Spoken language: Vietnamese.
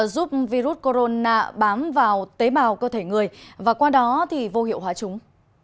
giúp virus corona bám vào tế bào cơ thể người và qua đó thì vô hiệu hóa chúng